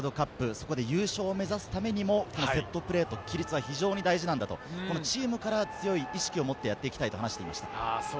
そこで優勝を目指すためにも、このセットプレーと規律は非常に大事なんだと、チームからの強い意識を持っていきたいと話していました。